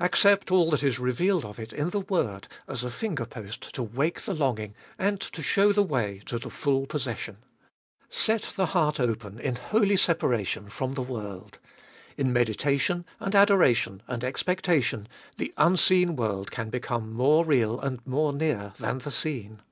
Accept all that is revealed of it in the word as a finger post to wake the longing and to show the way to the full possession. Set the heart open, in holy separation, from the world ; in meditation and adoration and expectation the unseen world can become more real and more near than the seen.